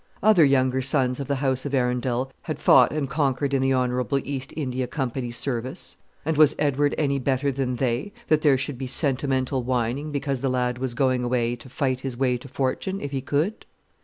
Other younger sons of the House of Arundel had fought and conquered in the Honourable East India Company's service; and was Edward any better than they, that there should be sentimental whining because the lad was going away to fight his way to fortune, if he could?